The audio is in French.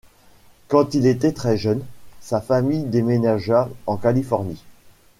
Quand il était très jeune, sa famille déménagea en Californie.